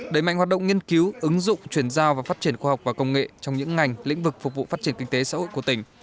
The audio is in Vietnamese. đẩy mạnh hoạt động nghiên cứu ứng dụng chuyển giao và phát triển khoa học và công nghệ trong những ngành lĩnh vực phục vụ phát triển kinh tế xã hội của tỉnh